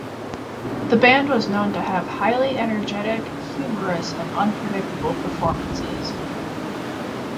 The band was known to have highly energetic, humorous, and unpredictable performances.